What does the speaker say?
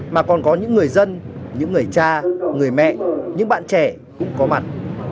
mà còn có những người dân những người cha người mẹ những bạn trẻ cũng có mặt